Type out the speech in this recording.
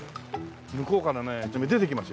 向こうからね出てきますよ